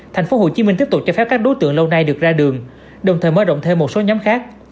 tp hcm tiếp tục cho phép các đối tượng lâu nay được ra đường đồng thời mở rộng thêm một số nhóm khác